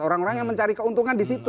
orang orang yang mencari keuntungan di situ